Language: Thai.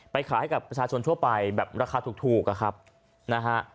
ขายให้กับประชาชนทั่วไปแบบราคาถูกอะครับนะฮะ